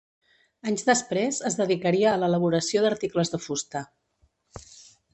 Anys després es dedicaria a l'elaboració d'articles de fusta.